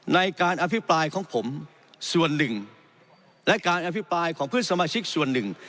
ในการอภิปรายของผมส่วนหนึ่งและการอภิปรายของเพื่อนสมาชิกส่วนหนึ่ง